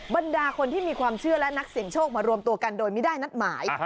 บรรดาคนที่มีความเชื่อและนักเสียงโชคมารวมตัวกันโดยไม่ได้นัดหมาย